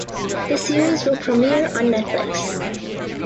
The series will premiere on Netflix.